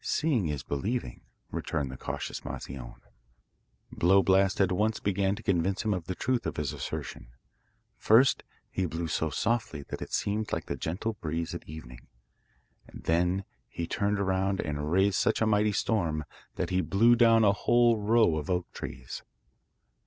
'Seeing is believing,' returned the cautious Moscione. Blow Blast at once began to convince him of the truth of his assertion. First he blew so softly that it seemed like the gentle breeze at evening, and then he turned round and raised such a mighty storm, that he blew down a whole row of oak trees.